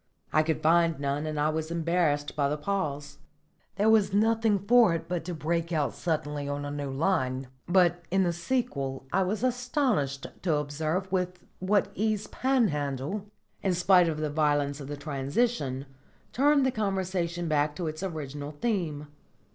I could find none, and I was embarrassed by the pause. There was nothing for it but to break out suddenly on a new line. But in the sequel I was astonished to observe with what ease Panhandle, in spite of the violence of the transition, turned the conversation back to its original theme.